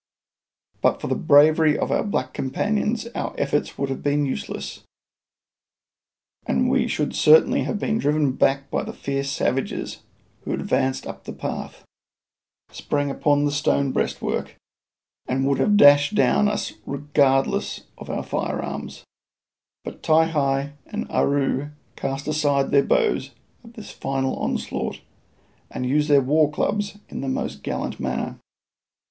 But for the bravery of our black companions our efforts would have been useless, and we should certainly have been driven back by the fierce savages, who advanced up the path, sprang upon the stone breastwork, and would have dashed down upon us regardless of our firearms, but Ti hi and Aroo cast aside their bows at this final onslaught, and used their war clubs in the most gallant manner.